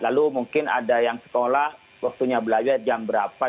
lalu mungkin ada yang sekolah waktunya belajar jam berapa